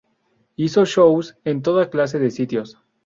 Hizo shows en toda clase de sitios.